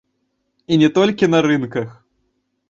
І не толькі на рынках.